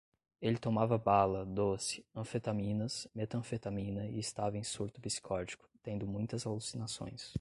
Ele tomava bala, doce, anfetaminas, metanfetamina e estava em surto psicótico, tendo muitas alucinações